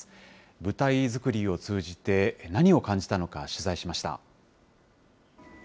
舞台作りを通じて何を感じたのか、取材しました。